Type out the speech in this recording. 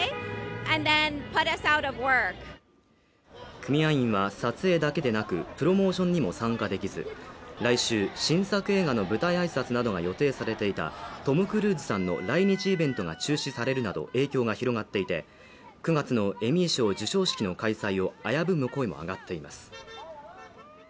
組合員は撮影だけでなく、プロモーションにも参加できず、来週新作映画の舞台挨拶などが予定されていたトム・クルーズさんの来日イベントが中止されるなど影響が広がっていて、９月のエミー賞授賞式の開催を危ぶむ声も上がっています。